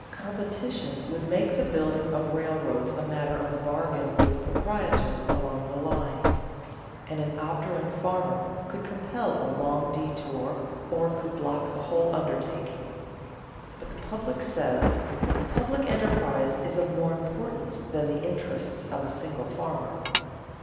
Competition would make the building of railroads a matter of bargain with proprietors along the line, and an obdurate farmer could compel a long detour or could block the whole undertaking. But the public says: a public enterprise is of more importance than the interests of a single farmer.